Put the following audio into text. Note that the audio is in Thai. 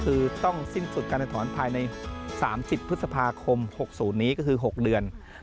คือต้องสิ้นสุดการถอนภายใน๓๐พฤษภาคม๖๐นี้ก็คือ๖เดือน